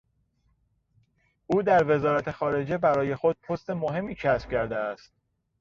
او در وزارت خارجه برای خود پست مهمی کسب کرده است.